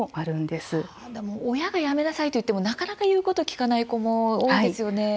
でも親がやめなさいと言ってもなかなか言うことを聞かない子も多いですよね？